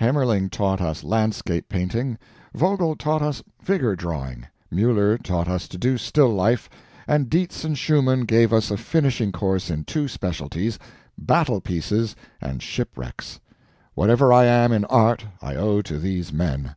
Haemmerling taught us landscape painting. Vogel taught us figure drawing, Mueller taught us to do still life, and Dietz and Schumann gave us a finishing course in two specialties battle pieces and shipwrecks. Whatever I am in Art I owe to these men.